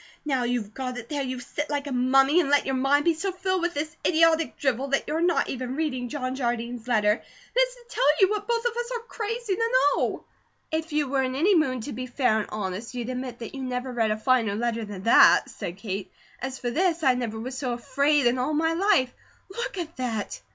Now you've got it, there you sit like a mummy and let your mind be so filled with this idiotic drivel that you're not ever reading John Jardine's letter that is to tell you what both of us are crazy to know." "If you were in any mood to be fair and honest, you'd admit that you never read a finer letter than THAT," said Kate. "As for THIS, I never was so AFRAID in all my life. Look at that!"